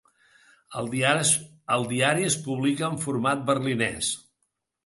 El diari es publica en format berlinès.